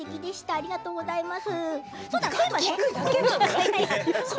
ありがとうございます。